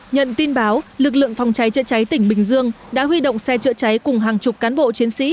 nhận tin báo lực lượng phòng cháy chữa cháy tỉnh bình dương đã huy động xe chữa cháy cùng hàng chục cán bộ chiến sĩ